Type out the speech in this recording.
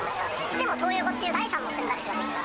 でもトー横っていう、第３の選択肢ができた。